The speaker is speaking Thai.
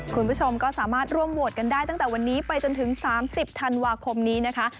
คุณผู้ชมก็สามารถร่วมโหวตกันได้ตั้งแต่วันนี้ไปจนถึง๓๐ธันวาคมนี้นะคะ